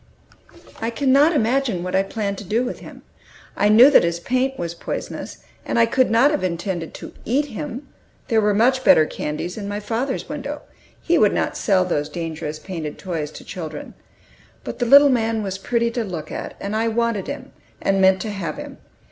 I cannot imagine what I meant to do with him. I knew that his paint was poisonous, and I could not have intended to eat him; there were much better candies in my father's window; he would not sell these dangerous painted toys to children. But the little man was pretty to look at, and I wanted him, and meant to have him.